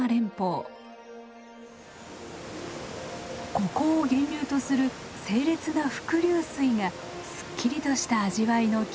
ここを源流とする清冽な伏流水がすっきりとした味わいの決め手です。